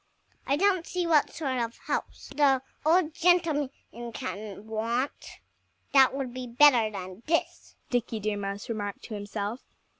"I don't see what sort of house the old gentleman can want that would be better than this," Dickie Deer Mouse remarked to himself.